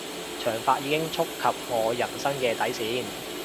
髮長已經觸及我人生嘅底線